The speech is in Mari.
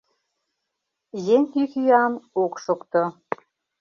Еҥ йӱк-йӱан ок шокто.